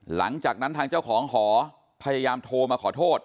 หลังจากนั้นทางเจ้าของหอพยายามโทรมาขอโทษ